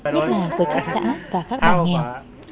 nhất là với các xã và các bà nghèo